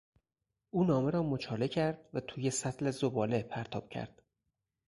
او نامه را مچاله کرد و توی سطل زباله پرتاب کرد.